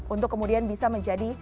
untuk kemudian bisa menjadi